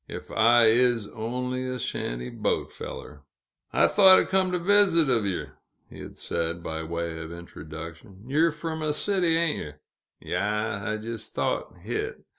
ef I is only a shanty boat feller!" "I thote I'd come to visit uv ye," he had said by way of introduction; "ye're frum a city, ain't yer? Yaas, I jist thote hit.